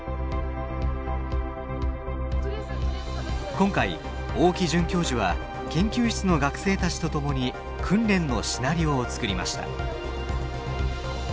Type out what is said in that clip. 今回大木准教授は研究室の学生たちと共に訓練のシナリオを作りました。